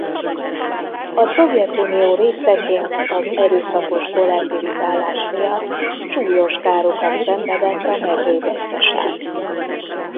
A Szovjetunió részeként az erőszakos kollektivizálás miatt súlyos károkat szenvedett a mezőgazdaság.